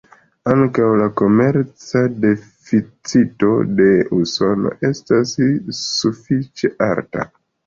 Ankaŭ la komerca deficito de Usono estas sufiĉe alta.